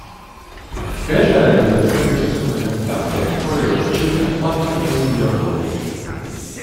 Per la realizzazione di ciascun esemplare occorrevano circa quattro mesi di lavoro.